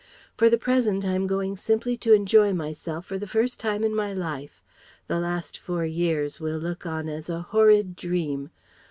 For the present I'm going simply to enjoy myself for the first time in my life. The last four years we'll look on as a horrid dream.